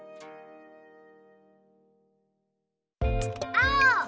あお！